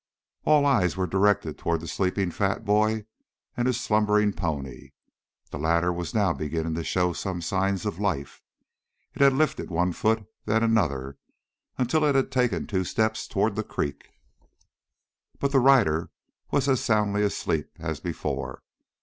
All eyes were directed toward the sleeping fat boy and his slumbering pony. The latter was now beginning to show some signs of life. It had lifted one foot, then another, until it had taken two steps toward the creek. But the rider was as soundly asleep as before.